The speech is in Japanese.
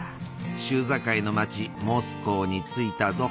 州境の町モスコーに着いたぞ。